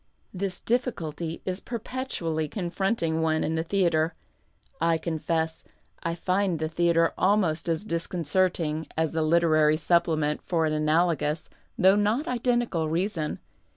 Tliis difficulty is perpetually confronting one in the theatre. I confess, I find the theatre almost as disconcerting as the Literary Supplement for an analogous, though not identical, reason.